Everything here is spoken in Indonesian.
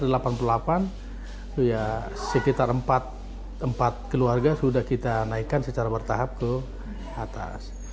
kalau ada yang berusaha sekitar empat keluarga sudah kita naikkan secara bertahap ke atas